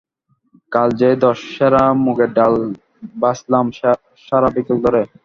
কাল যে দশ সেরা মুগের ডাল ভাজলাম সারা বিকেল ধরে?